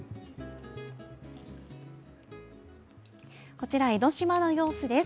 こちら、江の島の様子です。